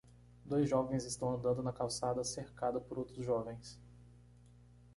Dois jovens estão andando na calçada cercada por outros jovens.